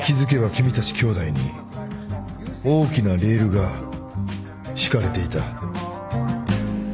君たち兄弟に大きなレールが敷かれていた。